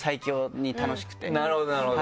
なるほどなるほど。